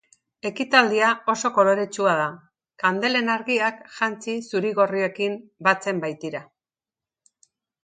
Ekitaldia oso koloretsua da, kandelen argiak jantzi zuri-gorriekin batu egiten baitira.